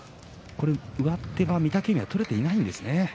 上手は御嶽海取れていないんですね。